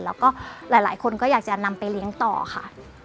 แล้วก็หลายคนก็อยากจะนำไปเลี้ยงต่อค่ะ